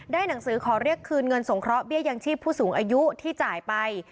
หนังสือขอเรียกคืนเงินสงเคราะหี้ยยังชีพผู้สูงอายุที่จ่ายไป